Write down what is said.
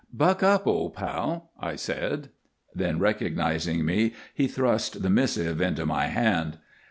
"Buck up, old pal," I said. Then, recognizing me, he thrust the missive into my hand.